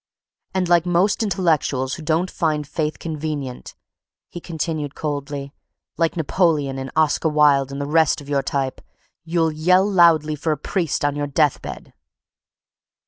"And like most intellectuals who don't find faith convenient," he continued coldly, "like Napoleon and Oscar Wilde and the rest of your type, you'll yell loudly for a priest on your death bed."